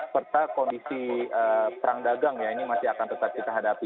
serta kondisi perang dagang ya ini masih akan tetap kita hadapi